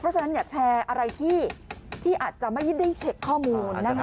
เพราะฉะนั้นอย่าแชร์อะไรที่อาจจะไม่ได้เช็คข้อมูลนะคะ